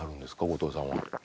後藤さんは。